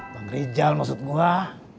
bang rijal maksudmu ah